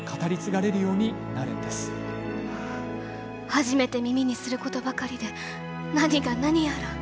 初めて耳にすることばかりで何が何やら。